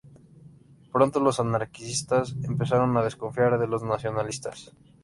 Pronto los anarquistas empezaron a desconfiar de los nacionalistas.